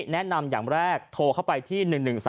แนะนำอย่างแรกโทรเข้าไปที่๑๑๓